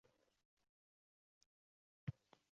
Bu odamlarda yurak xastaligi sakkiz foizga kam boʻladi.